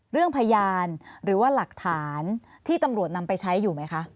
พยานหรือว่าหลักฐานที่ตำรวจนำไปใช้อยู่ไหมคะ